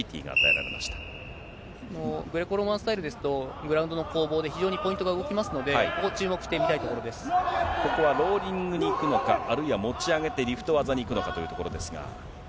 らグレコローマンスタイルですと、グラウンドの攻防で非常にポイントが動きますので、ここ、注目しここはローリングにいくのか、あるいは持ち上げてリフト技にいくのかというところですが。